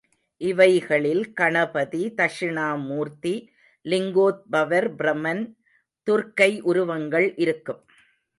இவைகளில் கணபதி, தக்ஷிணாமூர்த்தி, லிங்கோத்பவர், பிரமன், துர்க்கை உருவங்கள் இருக்கும்.